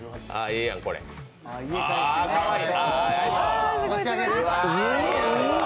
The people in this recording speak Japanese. あ、かわいい。